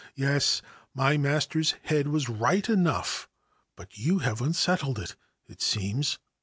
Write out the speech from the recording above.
Yes: my master's head was right enough ; but you have unsettled it, it seems.